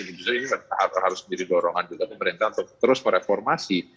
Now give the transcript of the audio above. ini harus jadi dorongan juga pemerintah untuk terus mereformasi